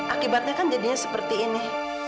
akibatnya kan jadinya seperti ini